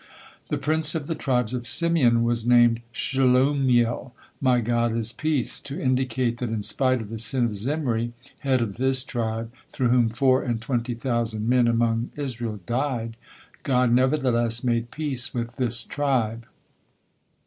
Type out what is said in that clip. The prince of the tribe of Simeon was named Shelumiel, "my God is peace," to indicate that in spite of the sin of Zimri, head of this tribe, through whom four and twenty thousand men among Israel died, God nevertheless made peace with this tribe.